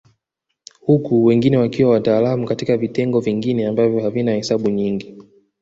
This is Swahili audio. Huku wengine wakiwa wataalamu katika vitengo vingine ambavyo havina hesabu nyingi